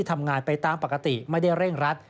ทำงานไปตามปกติไม่ได้เร่งรัด